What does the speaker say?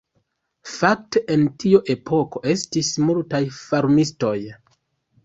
Fakte en tiu epoko estis multaj farmistoj.